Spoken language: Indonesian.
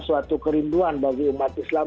suatu kerinduan bagi umat islam